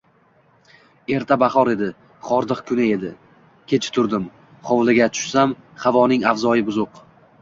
Erta bahor edi. Hordiq kuni edi. Kech turdim. Hovliga tushsam, havoning avzoyi buzuq.